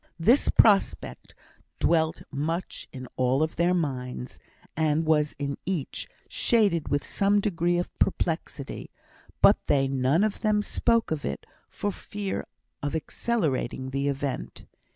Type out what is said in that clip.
This prospect dwelt much in all of their minds, and was in each shaded with some degree of perplexity; but they none of them spoke of it for fear of accelerating the event.